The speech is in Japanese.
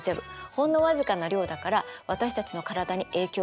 ほんの僅かな量だから私たちの体に影響はないの。